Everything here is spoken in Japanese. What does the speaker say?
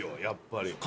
やっぱり。